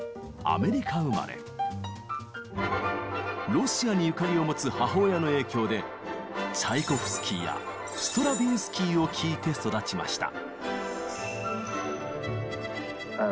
ロシアにゆかりを持つ母親の影響でチャイコフスキーやストラヴィンスキーを聴いて育ちました。